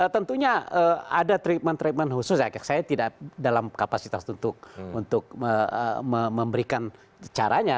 tentunya ada treatment treatment khusus saya tidak dalam kapasitas untuk memberikan caranya